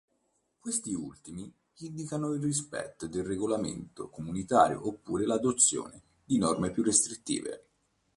Questi ultimi indicano il rispetto del regolamento comunitario oppure l'adozione di norme più restrittive.